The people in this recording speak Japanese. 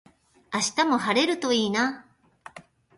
明日も晴れるといいな。